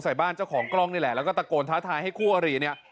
ใส่บ้านเจ้าของกล้องนี่แหละแล้วก็ตะโกนท้าทายให้คู่อริเนี่ย